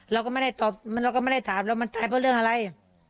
เราก็ไม่ได้ตอบเราก็ไม่ได้ถามแล้วมันตายเพราะเรื่องอะไร